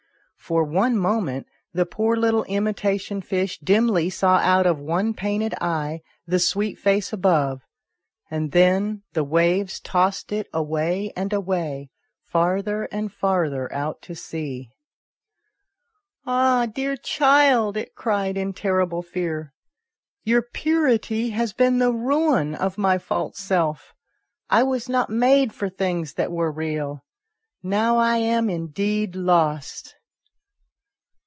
For one moment the poor little imitation fish dimly saw out of one painted VHI.] THE IMITATION FISH. 89 eye the sweet face above, and then the waves tossed it away and away, farther and farther out to sea. " Ah, dear child," it cried in terrible fear, " your purity has been the ruin of my false self. I was not made for things that were real ; now I am indeed lost."